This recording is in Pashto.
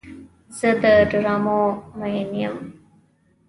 زه د ډرامو مین یم.